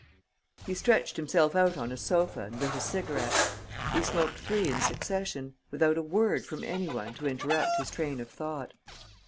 He stretched himself out on a sofa and lit a cigarette. He smoked three in succession, without a word from any one to interrupt his train of thought.